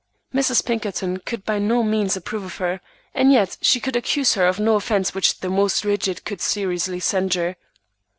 Mrs. Pinkerton could by no means approve of her, and yet she could accuse her of no offence which the most rigid could seriously censure.